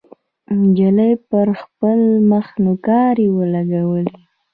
نجلۍ پر خپل مخ نوکارې لګولې.